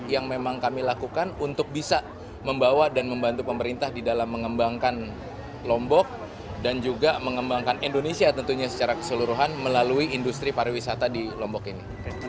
yang memang kami lakukan untuk bisa membawa dan membantu pemerintah di dalam mengembangkan lombok dan juga mengembangkan indonesia tentunya secara keseluruhan melalui industri pariwisata di lombok ini